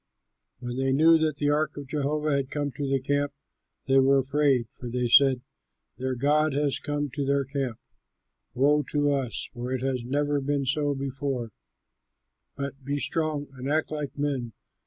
When they knew that the ark of Jehovah had come to the camp, they were afraid, for they said, "Their god has come to their camp. Woe to us! for it has never been so before; but be strong and act like men."